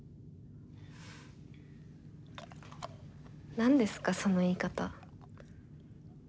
何ですかその言い方。